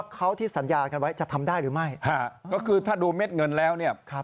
ก็คือถ้าดูเม็ดเงินแล้วเนี่ย